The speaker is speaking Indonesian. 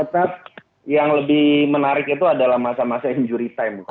tetap yang lebih menarik itu adalah masa masa injury time